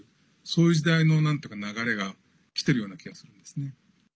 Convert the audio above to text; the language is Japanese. そういう時代の流れがきているような気がするんですね。